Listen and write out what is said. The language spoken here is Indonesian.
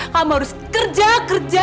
kamu harus kerja kerja